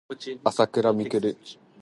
あさくらみくる